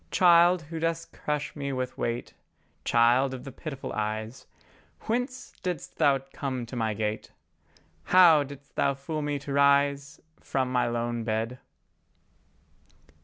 Child, who dost crush me with weight, Child of the pitiful eyes, Whence didst Thou come to my gate? How didst Thou fool me to rise From my lone bed?